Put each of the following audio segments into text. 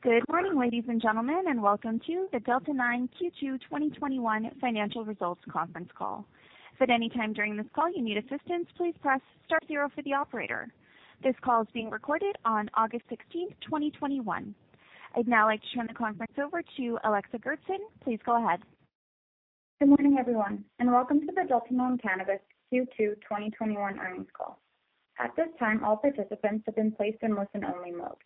Good morning, ladies and gentlemen, and welcome to the Delta 9 Q2 2021 financial results conference call. If at any time during this call you need assistance, please press star zero for the operator. This call is being recorded on August 16th, 2021. I'd now like to turn the conference over to Alexa Goertzen. Please go ahead. Good morning, everyone, and welcome to the Delta 9 Cannabis Q2 2021 earnings call. At this time, all participants have been placed in listen-only mode.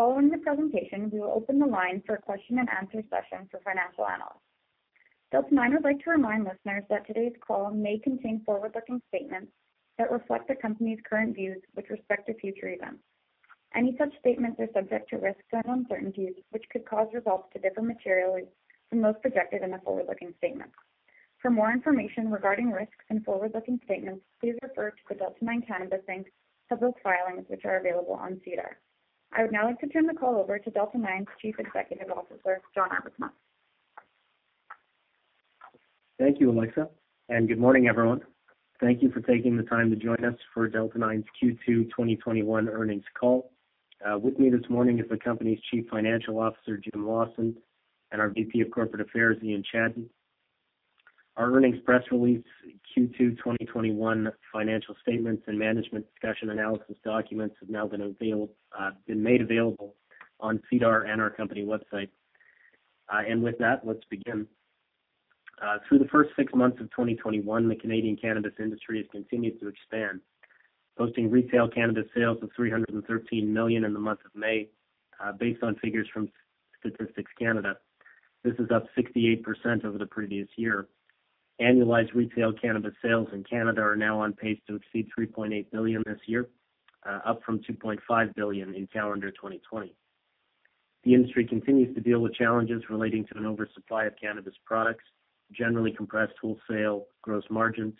Following the presentation, we will open the line for a question and answer session for financial analysts. Delta 9 would like to remind listeners that today's call may contain forward-looking statements that reflect the company's current views with respect to future events. Any such statements are subject to risks and uncertainties, which could cause results to differ materially from those projected in the forward-looking statements. For more information regarding risks and forward-looking statements, please refer to the Delta 9 Cannabis Inc. public filings, which are available on SEDAR. I would now like to turn the call over to Delta 9's Chief Executive Officer, John Arbuthnot. Thank you, Alexa, and good morning, everyone. Thank you for taking the time to join us for Delta 9 Cannabis's Q2 2021 earnings call. With me this morning is the company's Chief Financial Officer, Jim Lawson, and our VP of Corporate Affairs, Ian Chadsey. Our earnings press release, Q2 2021 financial statements, and management discussion analysis documents have now been made available on SEDAR and our company website. With that, let's begin. Through the first six months of 2021, the Canadian cannabis industry has continued to expand, posting retail cannabis sales of 313 million in the month of May, based on figures from Statistics Canada. This is up 68% over the previous year. Annualized retail cannabis sales in Canada are now on pace to exceed 3.8 billion this year, up from 2.5 billion in calendar 2020. The industry continues to deal with challenges relating to an oversupply of cannabis products, generally compressed wholesale gross margins,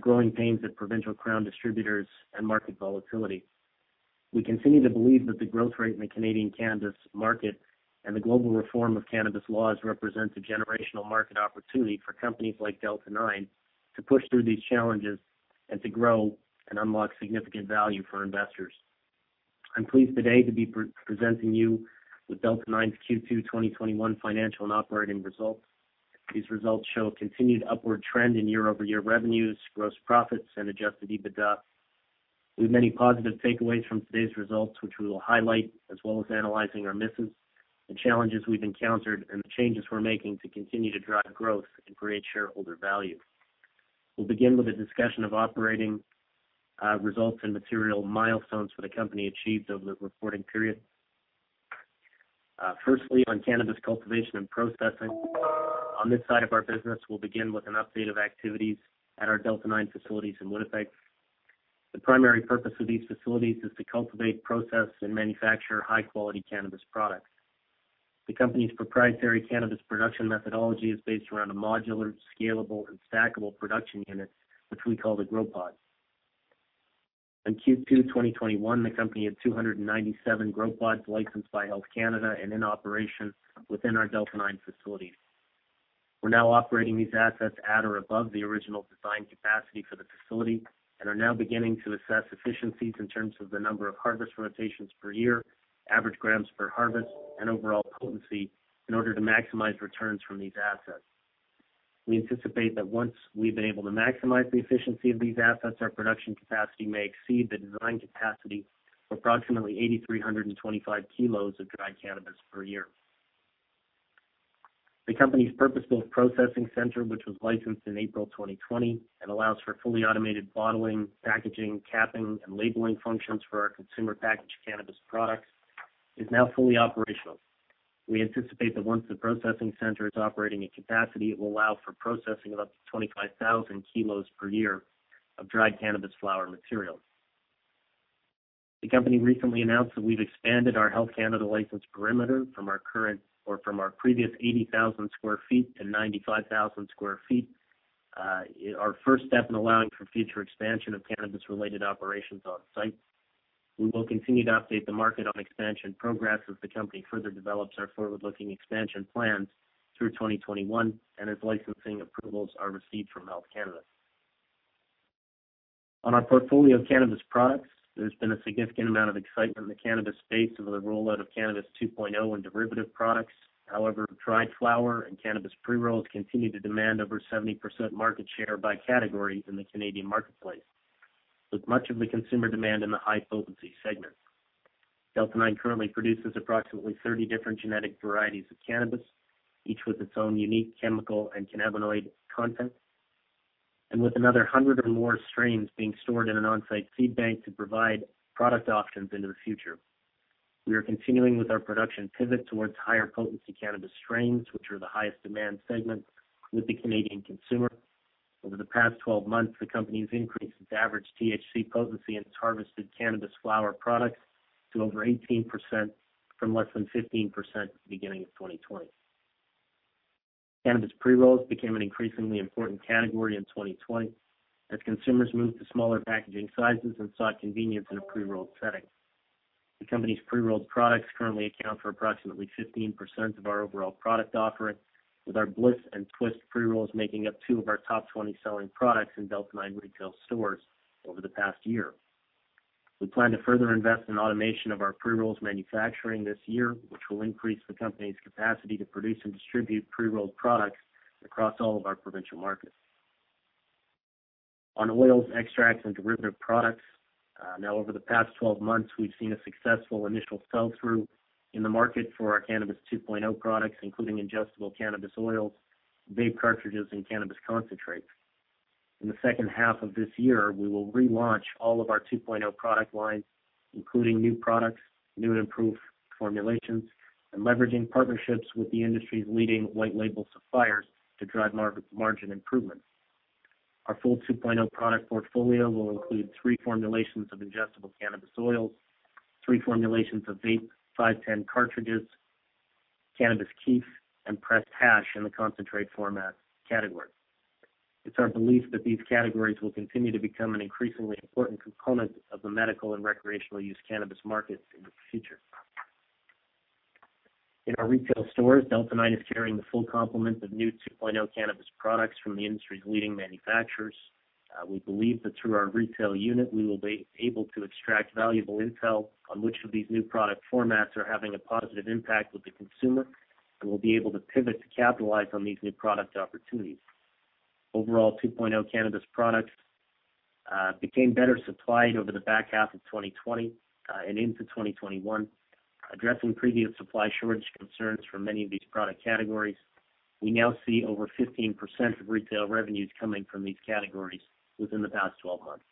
growing pains at provincial Crown distributors, and market volatility. We continue to believe that the growth rate in the Canadian cannabis market and the global reform of cannabis laws represents a generational market opportunity for companies like Delta 9 to push through these challenges and to grow and unlock significant value for investors. I'm pleased today to be presenting you with Delta 9's Q2 2021 financial and operating results. These results show a continued upward trend in year-over-year revenues, gross profits, and adjusted EBITDA. We have many positive takeaways from today's results, which we will highlight, as well as analyzing our misses, the challenges we've encountered, and the changes we're making to continue to drive growth and create shareholder value. We'll begin with a discussion of operating results and material milestones that the company achieved over the reporting period. Firstly, on cannabis cultivation and processing. On this side of our business, we'll begin with an update of activities at our Delta 9 facilities in Winnipeg. The primary purpose of these facilities is to cultivate, process, and manufacture high-quality cannabis products. The company's proprietary cannabis production methodology is based around a modular, scalable, and stackable production unit, which we call the GrowPod. In Q2 2021, the company had 297 GrowPods licensed by Health Canada and in operation within our Delta 9 facilities. We're now operating these assets at or above the original design capacity for the facility and are now beginning to assess efficiencies in terms of the number of harvest rotations per year, average grams per harvest, and overall potency in order to maximize returns from these assets. We anticipate that once we've been able to maximize the efficiency of these assets, our production capacity may exceed the design capacity for approximately 8,325 kg of dried cannabis per year. The company's purpose-built processing center, which was licensed in April 2020 and allows for fully automated bottling, packaging, capping, and labeling functions for our consumer packaged cannabis products, is now fully operational. We anticipate that once the processing center is operating at capacity, it will allow for processing of up to 25,000 kg per year of dried cannabis flower material. The company recently announced that we've expanded our Health Canada license perimeter from our previous 80,000 sq ft to 95,000 sq ft, our first step in allowing for future expansion of cannabis-related operations on site. We will continue to update the market on expansion progress as the company further develops our forward-looking expansion plans through 2021 and as licensing approvals are received from Health Canada. On our portfolio of cannabis products, there's been a significant amount of excitement in the cannabis space over the rollout of Cannabis 2.0 and derivative products. However, dried flower and cannabis pre-rolls continue to demand over 70% market share by category in the Canadian marketplace, with much of the consumer demand in the high-potency segment. Delta 9 currently produces approximately 30 different genetic varieties of cannabis, each with its own unique chemical and cannabinoid content, and with another 100 or more strains being stored in an on-site seed bank to provide product options into the future. We are continuing with our production pivot towards higher-potency cannabis strains, which are the highest demand segment with the Canadian consumer. Over the past 12 months, the company has increased its average THC potency in its harvested cannabis flower products to over 18% from less than 15% at the beginning of 2020. Cannabis pre-rolls became an increasingly important category in 2020 as consumers moved to smaller packaging sizes and sought convenience in a pre-rolled setting. The company's pre-rolled products currently account for approximately 15% of our overall product offering, with our Bliss and Twist pre-rolls making up two of our top 20 selling products in Delta 9 retail stores over the past year. We plan to further invest in automation of our pre-rolls manufacturing this year, which will increase the company's capacity to produce and distribute pre-rolled products across all of our provincial markets. On oils, extracts, and derivative products. Over the past 12 months, we've seen a successful initial sell-through in the market for our Cannabis 2.0 products, including ingestible cannabis oils, vape cartridges, and cannabis concentrates. In the second half of this year, we will relaunch all of our 2.0 product lines, including new products, new and improved formulations, and leveraging partnerships with the industry's leading white label suppliers to drive margin improvements. Our full 2.0 product portfolio will include three formulations of ingestible cannabis oils, three formulations of vape 510 cartridges, cannabis kief, and pressed hash in the concentrate format category. It's our belief that these categories will continue to become an increasingly important component of the medical and recreational use cannabis market in the future. In our retail stores, Delta 9 is carrying the full complement of new 2.0 cannabis products from the industry's leading manufacturers. We believe that through our retail unit, we will be able to extract valuable intel on which of these new product formats are having a positive impact with the consumer and will be able to pivot to capitalize on these new product opportunities. Overall, 2.0 cannabis products became better supplied over the back half of 2020 and into 2021, addressing previous supply shortage concerns for many of these product categories. We now see over 15% of retail revenues coming from these categories within the past 12 months.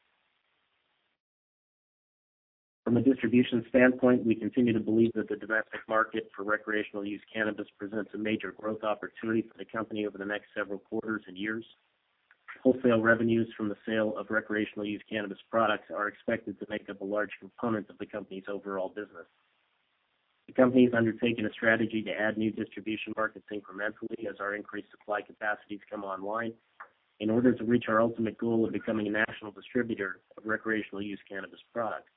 From a distribution standpoint, we continue to believe that the domestic market for recreational use cannabis presents a major growth opportunity for the company over the next several quarters and years. Wholesale revenues from the sale of recreational use cannabis products are expected to make up a large component of the company's overall business. The company has undertaken a strategy to add new distribution markets incrementally as our increased supply capacities come online in order to reach our ultimate goal of becoming a national distributor of recreational use cannabis products.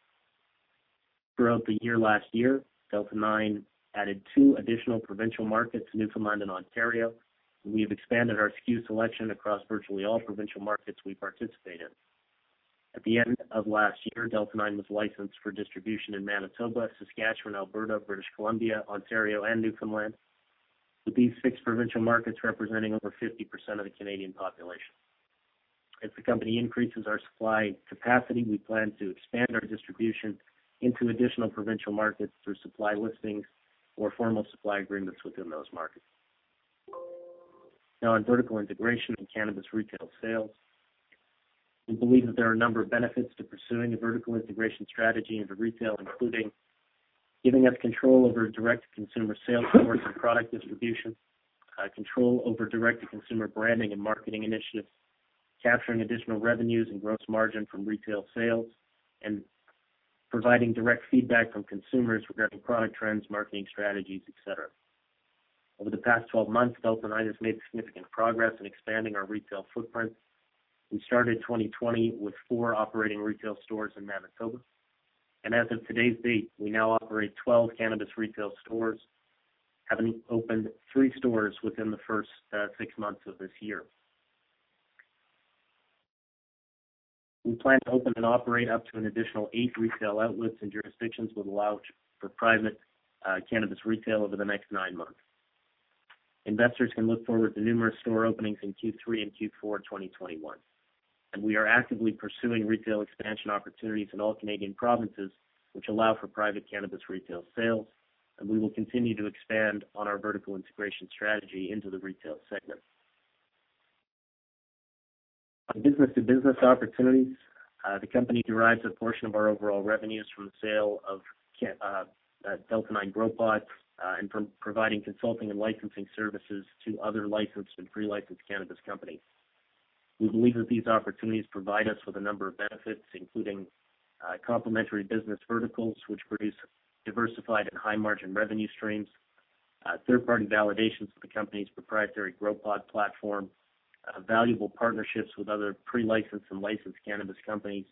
Throughout the year last year, Delta 9 added two additional provincial markets, Newfoundland and Ontario. We have expanded our SKU selection across virtually all provincial markets we participate in. At the end of last year, Delta 9 was licensed for distribution in Manitoba, Saskatchewan, Alberta, British Columbia, Ontario, and Newfoundland, with these six provincial markets representing over 50% of the Canadian population. As the company increases our supply capacity, we plan to expand our distribution into additional provincial markets through supply listings or formal supply agreements within those markets. Now, on vertical integration and cannabis retail sales, we believe that there are a number of benefits to pursuing a vertical integration strategy into retail, including giving us control over direct-to-consumer sales force and product distribution, control over direct-to-consumer branding and marketing initiatives, capturing additional revenues and gross margin from retail sales, and providing direct feedback from consumers regarding product trends, marketing strategies, et cetera. Over the past 12 months, Delta 9 has made significant progress in expanding our retail footprint. We started 2020 with four operating retail stores in Manitoba, and as of today's date, we now operate 12 cannabis retail stores, having opened three stores within the first six months of this year. We plan to open and operate up to an additional eight retail outlets in jurisdictions which allow for private cannabis retail over the next nine months. Investors can look forward to numerous store openings in Q3 and Q4 2021. We are actively pursuing retail expansion opportunities in all Canadian provinces which allow for private cannabis retail sales, and we will continue to expand on our vertical integration strategy into the retail segment. On business-to-business opportunities, the company derives a portion of our overall revenues from the sale of Delta 9 GrowPod, and from providing consulting and licensing services to other licensed and pre-licensed cannabis companies. We believe that these opportunities provide us with a number of benefits, including complementary business verticals, which produce diversified and high-margin revenue streams, third-party validations for the company's proprietary GrowPod platform, valuable partnerships with other pre-licensed and licensed cannabis companies,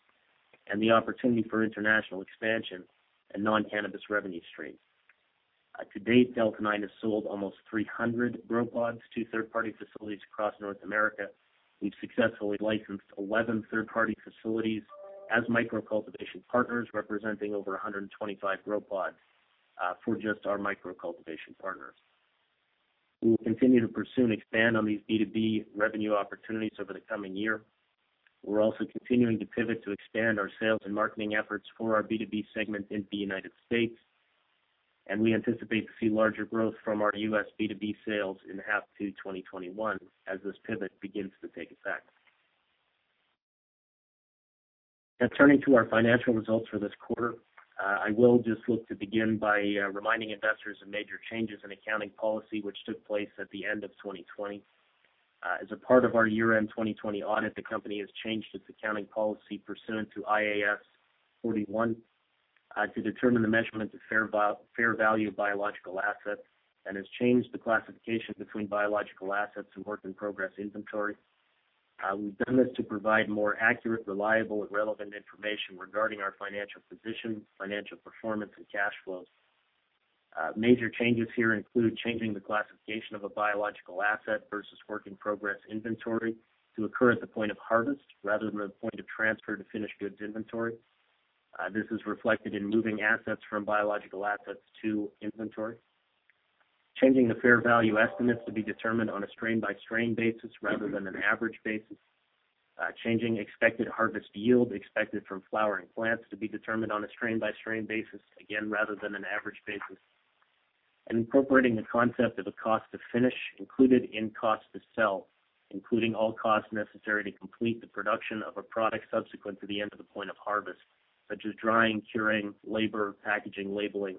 and the opportunity for international expansion and non-cannabis revenue streams. To date, Delta 9 has sold almost 300 GrowPods to third-party facilities across North America. We've successfully licensed 11 third-party facilities as micro cultivation partners, representing over 125 GrowPods for just our micro cultivation partners. We will continue to pursue and expand on these B2B revenue opportunities over the coming year. We're also continuing to pivot to expand our sales and marketing efforts for our B2B segment in the United States, and we anticipate to see larger growth from our U.S. B2B sales in half two 2021 as this pivot begins to take effect. Now, turning to our financial results for this quarter, I will just look to begin by reminding investors of major changes in accounting policy which took place at the end of 2020. As a part of our year-end 2020 audit, the company has changed its accounting policy pursuant to IAS 41 to determine the measurement of fair value biological assets and has changed the classification between biological assets and work-in-progress inventory. We've done this to provide more accurate, reliable, and relevant information regarding our financial position, financial performance, and cash flows. Major changes here include changing the classification of a biological asset versus work-in-progress inventory to occur at the point of harvest rather than the point of transfer to finished goods inventory. This is reflected in moving assets from biological assets to inventory. Changing the fair value estimates to be determined on a strain-by-strain basis rather than an average basis. Changing expected harvest yield expected from flowering plants to be determined on a strain-by-strain basis, again, rather than an average basis. Incorporating the concept of a cost to finish included in cost to sell, including all costs necessary to complete the production of a product subsequent to the end of the point of harvest, such as drying, curing, labor, packaging, labeling,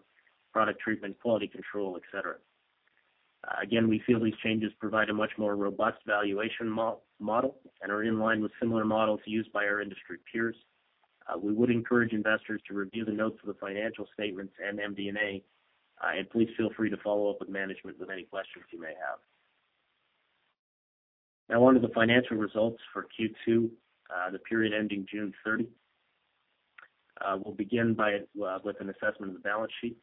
product treatment, quality control, et cetera. Again, we feel these changes provide a much more robust valuation model and are in line with similar models used by our industry peers. We would encourage investors to review the notes for the financial statements and MD&A, and please feel free to follow up with management with any questions you may have. Now on to the financial results for Q2, the period ending June 30. We'll begin with an assessment of the balance sheet.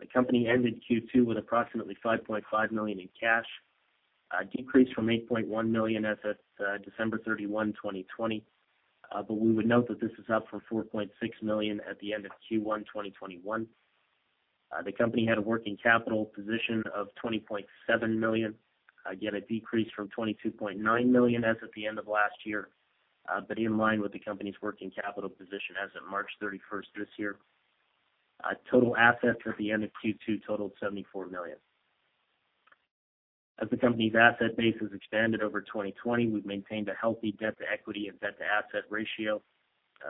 The company ended Q2 with approximately 5.5 million in cash, a decrease from 8.1 million as at December 31, 2020. We would note that this is up from 4.6 million at the end of Q1 2021. The company had a working capital position of 20.7 million, again, a decrease from 22.9 million as at the end of last year, but in line with the company's working capital position as at March 31st this year. Total assets at the end of Q2 totaled 74 million. As the company's asset base has expanded over 2020, we've maintained a healthy debt-to-equity and debt-to-asset ratio.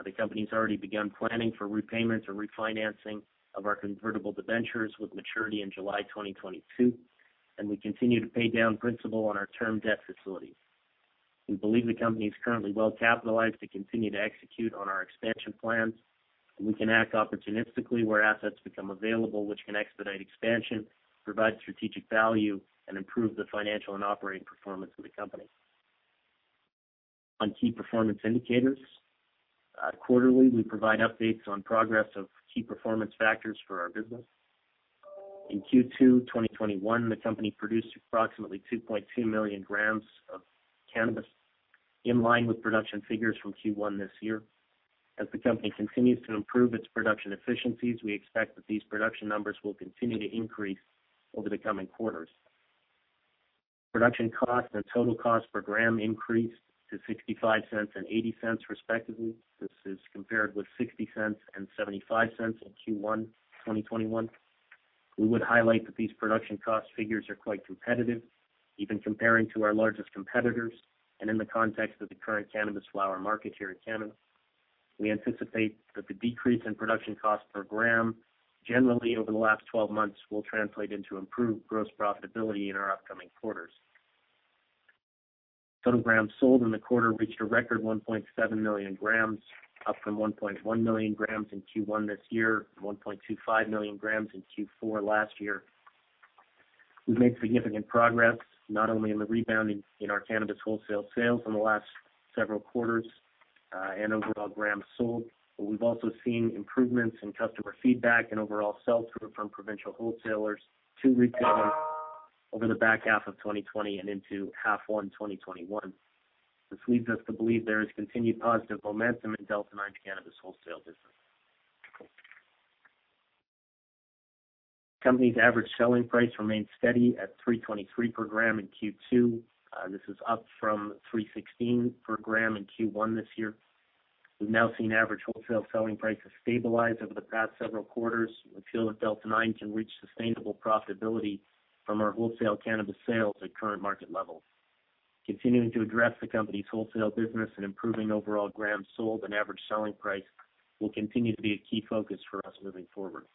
The company's already begun planning for repayments or refinancing of our convertible debentures with maturity in July 2022, and we continue to pay down principal on our term debt facilities. We believe the company is currently well-capitalized to continue to execute on our expansion plans. We can act opportunistically where assets become available, which can expedite expansion, provide strategic value, and improve the financial and operating performance of the company. On key performance indicators. Quarterly, we provide updates on progress of key performance factors for our business. In Q2 2021, the company produced approximately 2.2 million grams of cannabis, in line with production figures from Q1 this year. As the company continues to improve its production efficiencies, we expect that these production numbers will continue to increase over the coming quarters. Production cost and total cost per gram increased to 0.65 and 0.80 respectively. This is compared with 0.60 and 0.75 in Q1 2021. We would highlight that these production cost figures are quite competitive, even comparing to our largest competitors, and in the context of the current cannabis flower market here in Canada. We anticipate that the decrease in production cost per gram generally over the last 12 months will translate into improved gross profitability in our upcoming quarters. Total grams sold in the quarter reached a record 1.7 million grams, up from 1.1 million grams in Q1 this year, and 1.25 million grams in Q4 last year. We've made significant progress, not only in the rebounding in our cannabis wholesale sales in the last several quarters, and overall grams sold, but we've also seen improvements in customer feedback and overall sell-through from provincial wholesalers to retailers over the back half of 2020 and into half one 2021. This leads us to believe there is continued positive momentum in Delta 9 Cannabis wholesale business. The company's average selling price remains steady at 3.23 per gram in Q2. This is up from 3.16 per gram in Q1 this year. We've now seen average wholesale selling prices stabilize over the past several quarters. We feel that Delta 9 can reach sustainable profitability from our wholesale cannabis sales at current market levels. Continuing to address the company's wholesale business and improving overall grams sold and average selling price will continue to be a key focus for us moving forward.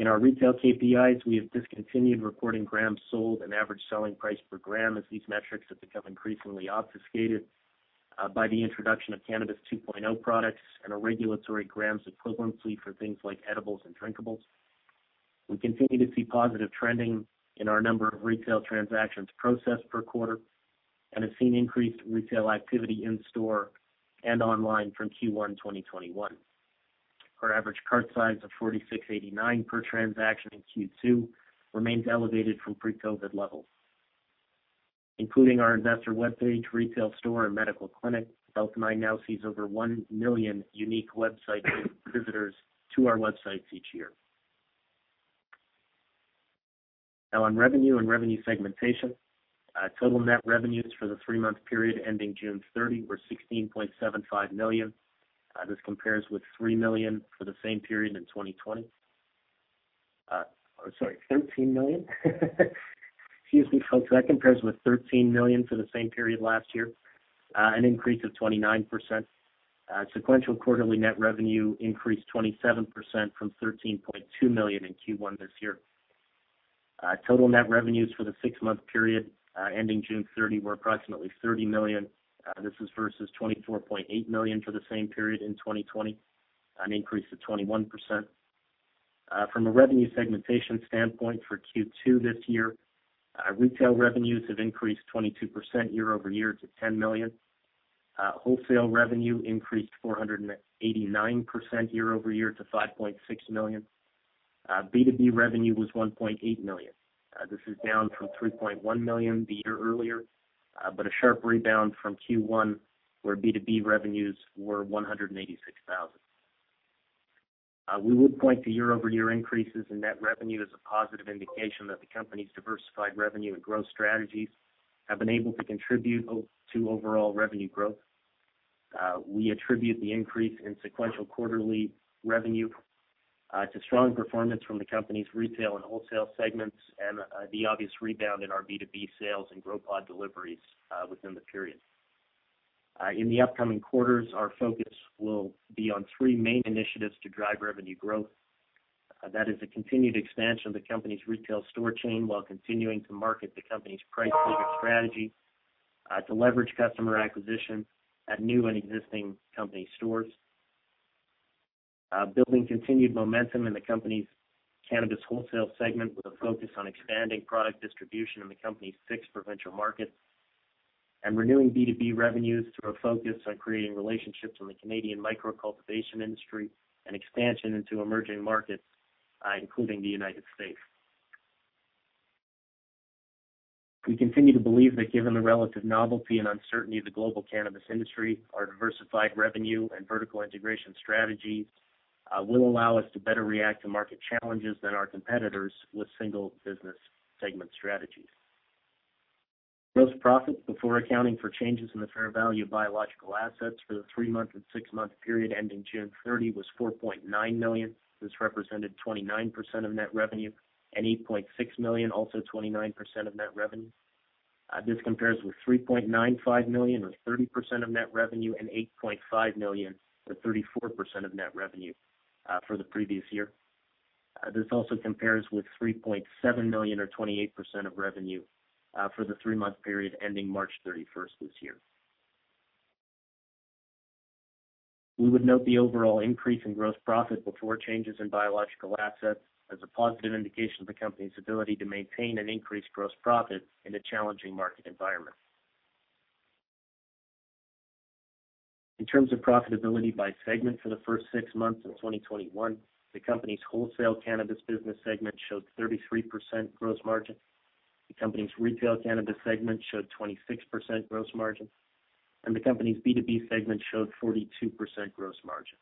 In our retail KPIs, we have discontinued reporting grams sold and average selling price per gram as these metrics have become increasingly obfuscated by the introduction of Cannabis 2.0 products and a regulatory grams equivalency for things like edibles and drinkables. We continue to see positive trending in our number of retail transactions processed per quarter, and have seen increased retail activity in store and online from Q1 2021. Our average cart size of 46.89 per transaction in Q2 remains elevated from pre-COVID levels. Including our investor web page, retail store, and medical clinic, Delta 9 now sees over 1 million unique website visitors to our websites each year. Now on revenue and revenue segmentation. Total net revenues for the three-month period ending June 30 were 16.75 million. This compares with 3 million for the same period in 2020. Sorry, 13 million. Excuse me, folks. That compares with 13 million for the same period last year, an increase of 29%. Sequential quarterly net revenue increased 27% from 13.2 million in Q1 this year. Total net revenues for the six-month period ending June 30 were approximately 30 million. This is versus 24.8 million for the same period in 2020, an increase of 21%. From a revenue segmentation standpoint for Q2 this year, retail revenues have increased 22% year-over-year to 10 million. Wholesale revenue increased 489% year-over-year to 5.6 million. B2B revenue was 1.8 million. This is down from 3.1 million the year earlier, but a sharp rebound from Q1 where B2B revenues were 186,000. We would point to year-over-year increases in net revenue as a positive indication that the company's diversified revenue and growth strategies have been able to contribute to overall revenue growth. We attribute the increase in sequential quarterly revenue to strong performance from the company's retail and wholesale segments and the obvious rebound in our B2B sales and GrowPod deliveries within the period. In the upcoming quarters, our focus will be on three main initiatives to drive revenue growth. That is the continued expansion of the company's retail store chain, while continuing to market the company's price-leader strategy to leverage customer acquisition at new and existing company stores. Building continued momentum in the company's cannabis wholesale segment with a focus on expanding product distribution in the company's six provincial markets, and renewing B2B revenues through a focus on creating relationships in the Canadian micro-cultivation industry and expansion into emerging markets, including the U.S. We continue to believe that given the relative novelty and uncertainty of the global cannabis industry, our diversified revenue and vertical integration strategy will allow us to better react to market challenges than our competitors with single business segment strategies. Gross profit before accounting for changes in the fair value of biological assets for the three-month and six-month period ending June 30 was 4.9 million. This represented 29% of net revenue and 8.6 million, also 29% of net revenue. This compares with 3.95 million, or 30% of net revenue, and 8.5 million, or 34% of net revenue, for the previous year. This also compares with 3.7 million, or 28% of revenue, for the three-month period ending March 31st this year. We would note the overall increase in gross profit before changes in biological assets as a positive indication of the company's ability to maintain an increased gross profit in a challenging market environment. In terms of profitability by segment for the first six months of 2021, the company's wholesale cannabis business segment showed 33% gross margin. The company's retail cannabis segment showed 26% gross margin, and the company's B2B segment showed 42% gross margin.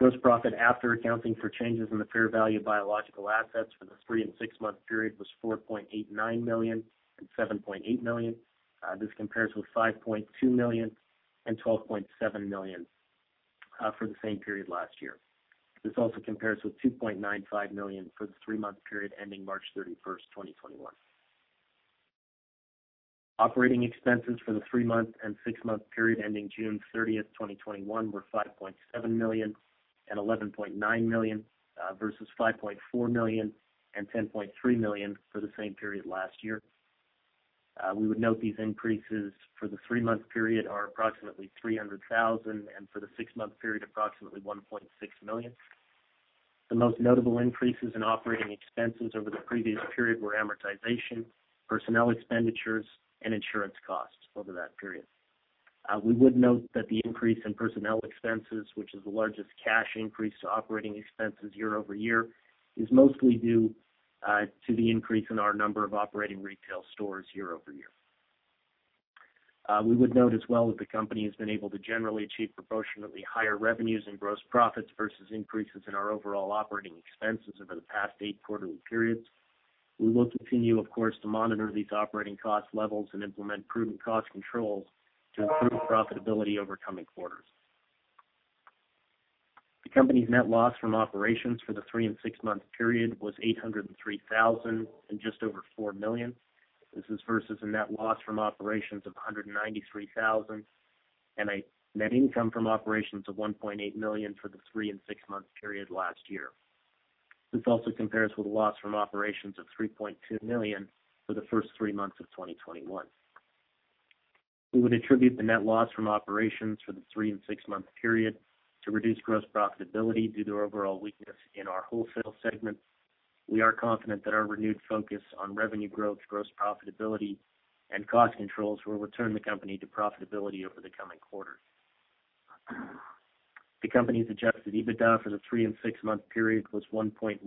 Gross profit after accounting for changes in the fair value of biological assets for the three and six- month period was 4.89 million and 7.8 million. This compares with 5.2 million and 12.7 million for the same period last year. This also compares with 2.95 million for the three-month period ending March 31, 2021. Operating expenses for the three-month and six-month period ending June 30th, 2021, were 5.7 million and 11.9 million versus 5.4 million and 10.3 million for the same period last year. We would note these increases for the three-month period are approximately 300,000, and for the six-month period, approximately 1.6 million. The most notable increases in operating expenses over the previous period were amortization, personnel expenditures, and insurance costs over that period. We would note that the increase in personnel expenses, which is the largest cash increase to operating expenses year-over-year, is mostly due to the increase in our number of operating retail stores year-over-year. We would note as well that the company has been able to generally achieve proportionately higher revenues and gross profits versus increases in our overall operating expenses over the past eight quarterly periods. We will continue, of course, to monitor these operating cost levels and implement prudent cost controls to improve profitability over coming quarters. The company's net loss from operations for the three and six-month period was 803,000 and just over 4 million. This is versus a net loss from operations of 193,000 and a net income from operations of 1.8 million for the three and six-month period last year. This also compares with a loss from operations of 3.2 million for the first three months of 2021. We would attribute the net loss from operations for the three and six-month period to reduced gross profitability due to overall weakness in our wholesale segment. We are confident that our renewed focus on revenue growth, gross profitability, and cost controls will return the company to profitability over the coming quarters. The company's adjusted EBITDA for the three and six-month period was 1.19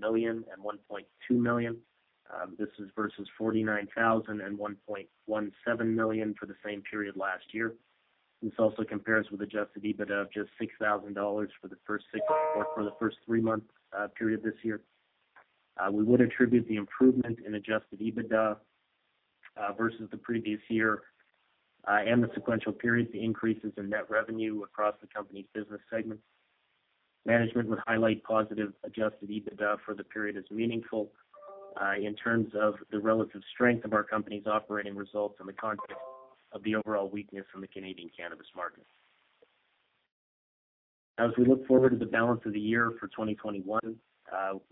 million and 1.2 million. This is versus 49,000 and 1.17 million for the same period last year. This also compares with adjusted EBITDA of just 6,000 dollars for the first three-month period this year. We would attribute the improvement in adjusted EBITDA versus the previous year and the sequential period, the increases in net revenue across the company's business segments. Management would highlight positive adjusted EBITDA for the period as meaningful in terms of the relative strength of our company's operating results in the context of the overall weakness from the Canadian cannabis market. As we look forward to the balance of the year for 2021,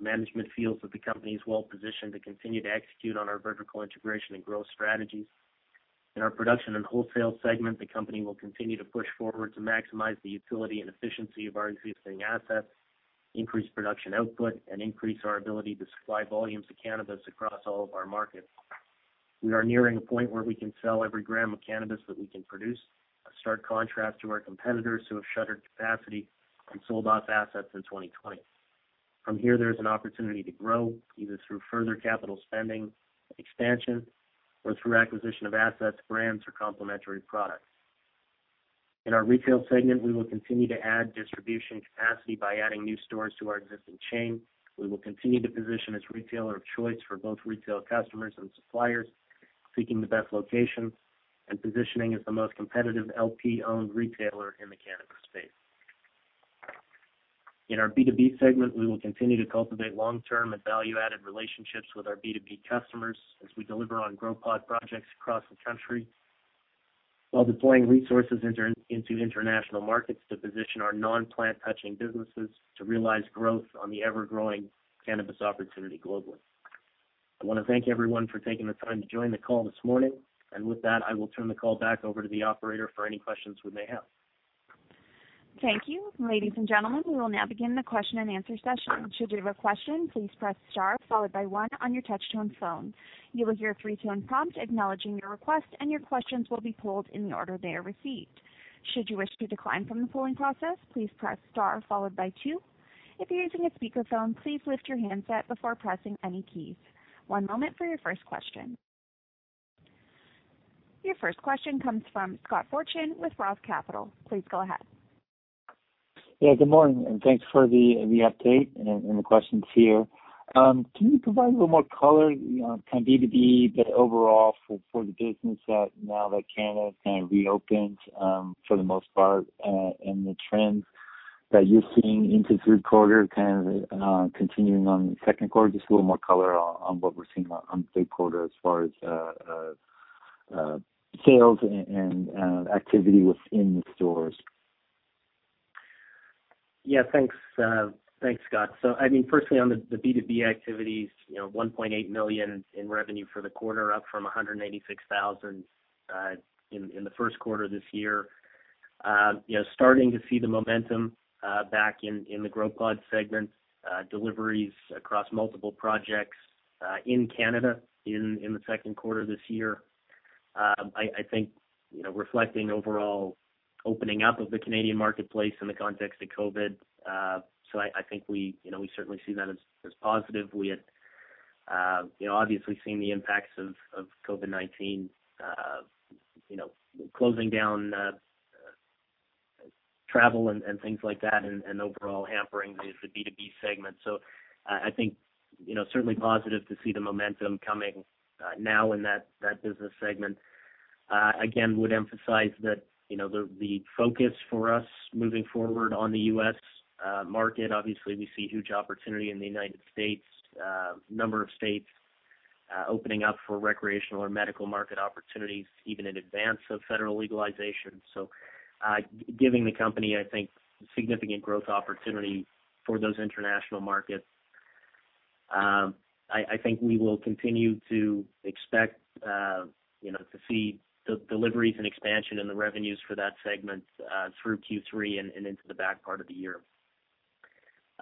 management feels that the company is well-positioned to continue to execute on our vertical integration and growth strategies. In our production and wholesale segment, the company will continue to push forward to maximize the utility and efficiency of our existing assets. Increase production output, and increase our ability to supply volumes of cannabis across all of our markets. We are nearing a point where we can sell every gram of cannabis that we can produce. A stark contrast to our competitors who have shuttered capacity and sold off assets in 2020. From here, there is an opportunity to grow, either through further capital spending, expansion, or through acquisition of assets, brands, or complementary products. In our retail segment, we will continue to add distribution capacity by adding new stores to our existing chain. We will continue to position as retailer of choice for both retail customers and suppliers, seeking the best locations and positioning as the most competitive LP-owned retailer in the cannabis space. In our B2B segment, we will continue to cultivate long-term and value-added relationships with our B2B customers as we deliver on GrowPod projects across the country, while deploying resources into international markets to position our non-plant touching businesses to realize growth on the ever-growing cannabis opportunity globally. I want to thank everyone for taking the time to join the call this morning. With that, I will turn the call back over to the operator for any questions we may have. Thank you. Ladies and gentlemen, we will now begin the question and answer session. Should you have a question, please press star followed by one on your touch-tone phone. You will hear a three-tone prompt acknowledging your request, and your questions will be pulled in the order they are received. Should you wish to decline from the polling process, please press star followed by two. If you're using a speakerphone, please lift your handset before pressing any keys. One moment for your first question. Your first question comes from Scott Fortune with Roth Capital. Please go ahead. Yeah, good morning, and thanks for the update and the questions here. Can you provide a little more color on B2B, but overall for the business now that Canada has kind of reopened, for the most part, and the trends that you're seeing into third quarter, kind of continuing on second quarter, just a little more color on what we're seeing on third quarter as far as sales and activity within the stores. Yeah. Thanks, Scott. Firstly, on the B2B activities, 1.8 million in revenue for the quarter, up from 186,000 in the first quarter this year. Starting to see the momentum back in the GrowPod segment, deliveries across multiple projects in Canada in the second quarter this year. I think, reflecting overall opening up of the Canadian marketplace in the context of COVID. I think we certainly see that as positive. We had obviously seen the impacts of COVID-19, closing down travel and things like that, and overall hampering the B2B segment. I think, certainly positive to see the momentum coming now in that business segment. Again, would emphasize that the focus for us moving forward on the U.S. market, obviously, we see huge opportunity in the United States. A number of states opening up for recreational or medical market opportunities, even in advance of federal legalization. Giving the company, I think, significant growth opportunity for those international markets. I think we will continue to expect to see the deliveries and expansion and the revenues for that segment through Q3 and into the back part of the year.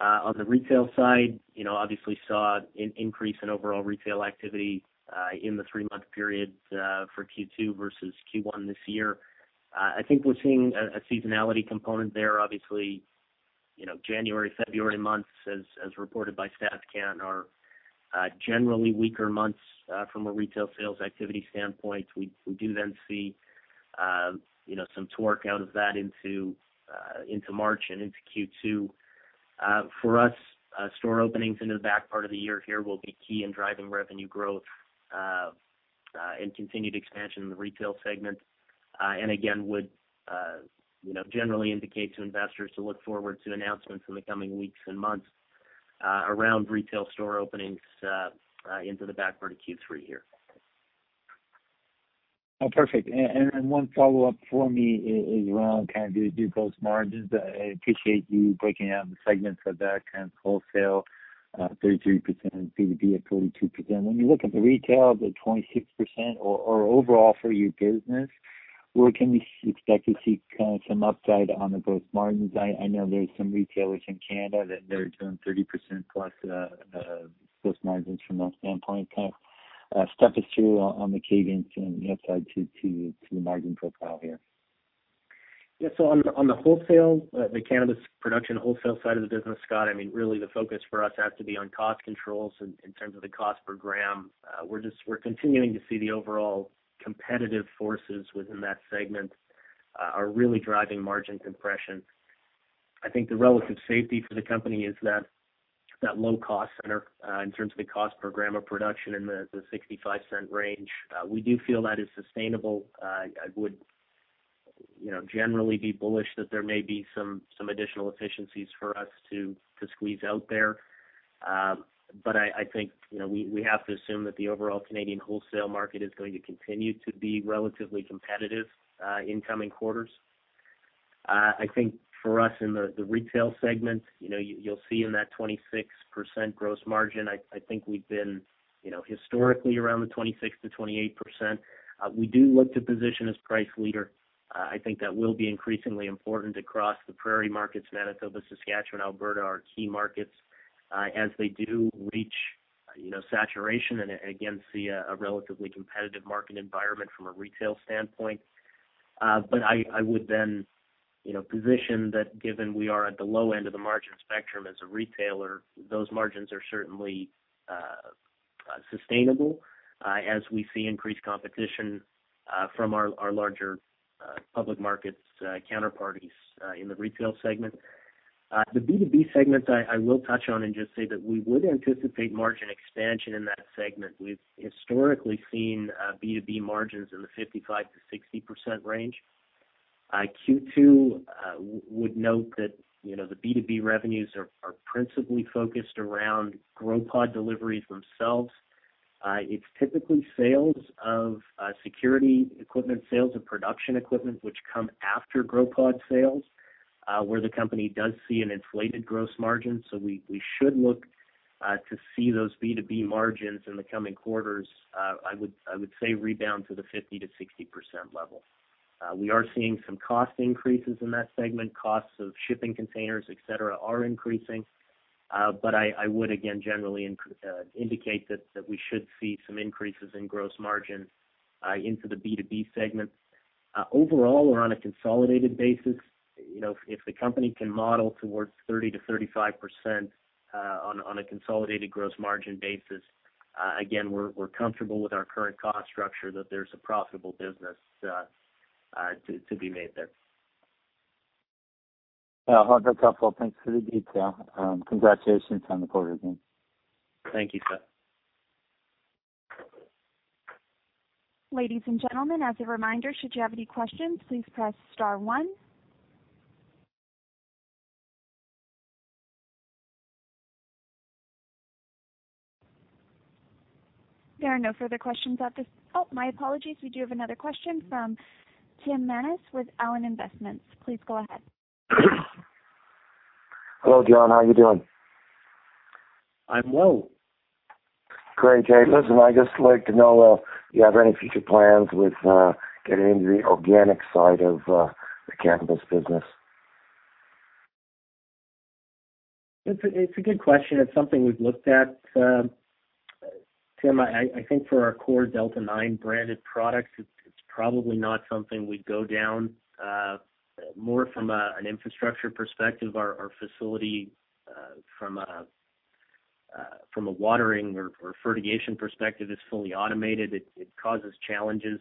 On the retail side, obviously saw an increase in overall retail activity in the three-month period for Q2 versus Q1 this year. I think we're seeing a seasonality component there. Obviously, January, February months, as reported by Statistics Canada, are generally weaker months from a retail sales activity standpoint. We do then see some torque out of that into March and into Q2. For us, store openings into the back part of the year here will be key in driving revenue growth, and continued expansion in the retail segment. Again, would generally indicate to investors to look forward to announcements in the coming weeks and months around retail store openings into the back part of Q3 here. Perfect. One follow-up for me is around kind of your gross margins. I appreciate you breaking out the segments for that, kind of wholesale 33%, B2B at 32%. When you look at the retail at 26% or overall for your business, where can we expect to see some upside on the gross margins? I know there's some retailers in Canada that they're doing 30% plus gross margins from that standpoint. Kind of step us through on the cadence and the upside to the margin profile here. On the wholesale, the cannabis production wholesale side of the business, Scott, really the focus for us has to be on cost controls in terms of the cost per gram. We're continuing to see the overall competitive forces within that segment are really driving margin compression. I think the relative safety for the company is that low cost center, in terms of the cost per gram of production in the 0.65 range. We do feel that is sustainable. I would generally be bullish that there may be some additional efficiencies for us to squeeze out there. I think we have to assume that the overall Canadian wholesale market is going to continue to be relatively competitive in coming quarters. I think for us in the retail segment, you'll see in that 26% gross margin, I think we've been historically around the 26%-28%. We do look to position as price leader. I think that will be increasingly important across the prairie markets. Manitoba, Saskatchewan, Alberta are key markets as they do reach saturation and again, see a relatively competitive market environment from a retail standpoint. I would then position that given we are at the low end of the margin spectrum as a retailer, those margins are certainly sustainable as we see increased competition from our larger public markets counterparties in the retail segment. The B2B segment, I will touch on and just say that we would anticipate margin expansion in that segment. We've historically seen B2B margins in the 55%-60% range. Q2, I would note that the B2B revenues are principally focused around GrowPod deliveries themselves. It's typically sales of security equipment, sales of production equipment, which come after GrowPod sales, where the company does see an inflated gross margin. We should look to see those B2B margins in the coming quarters, I would say rebound to the 50%-60% level. We are seeing some cost increases in that segment. Costs of shipping containers, et cetera, are increasing. I would, again, generally indicate that we should see some increases in gross margin into the B2B segment. Overall or on a consolidated basis, if the company can model towards 30%-35% on a consolidated gross margin basis, again, we're comfortable with our current cost structure that there's a profitable business to be made there. That's helpful. Thanks for the detail. Congratulations on the quarter again. Thank you, Scott Fortune. Ladies and gentlemen, as a reminder, should you have any questions, please press star one. There are no further questions. Oh, my apologies. We do have another question from Tim Manas with Allen Investments. Please go ahead. Hello, John, how are you doing? I'm well. Great. Hey, listen, I'd just like to know if you have any future plans with getting into the organic side of the cannabis business? It's a good question. It's something we've looked at. Tim, I think for our core Delta 9 branded products, it's probably not something we'd go down. More from an infrastructure perspective, our facility from a watering or fertigation perspective is fully automated. It causes challenges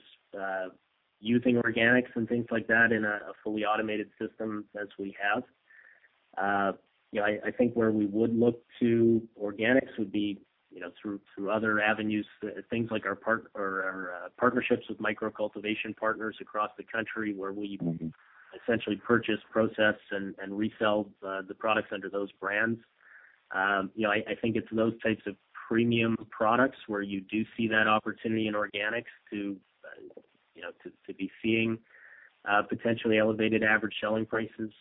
using organics and things like that in a fully automated system as we have. I think where we would look to organics would be through other avenues, things like our partnerships with microcultivation partners across the country where we- essentially purchase, process, and resell the products under those brands. I think it's those types of premium products where you do see that opportunity in organics to be seeing potentially elevated average selling prices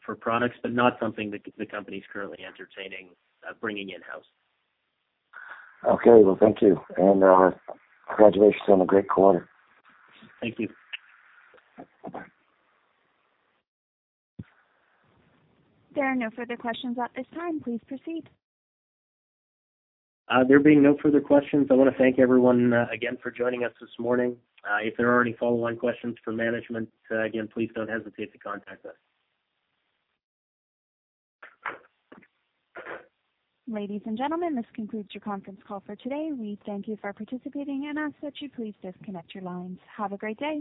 for products. Not something that the company's currently entertaining bringing in-house. Okay, well, thank you, and congratulations on a great quarter. Thank you. There are no further questions at this time. Please proceed. There being no further questions, I want to thank everyone again for joining us this morning. If there are any follow-on questions for management, again, please don't hesitate to contact us. Ladies and gentlemen, this concludes your conference call for today. We thank you for participating and ask that you please disconnect your lines. Have a great day.